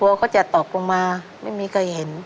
เขาจะตกลงมาไม่มีใครเห็น